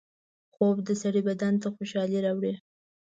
خوب د سړي بدن ته خوشحالۍ راوړي